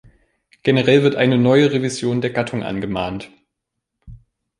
Generell wird eine neue Revision der Gattung angemahnt.